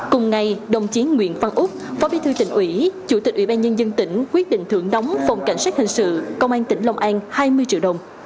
cùng ngày đồng chiến nguyễn phan úc phó bí thư tỉnh ủy chủ tịch ủy ban nhân dân tỉnh quyết định thưởng đóng phòng cảnh sát hình sự công an tỉnh long an hai mươi triệu đồng